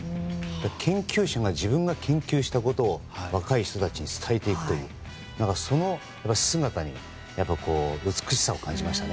研究者が自分が研究したことを若い人たちに伝えているというその姿に美しさを感じましたね。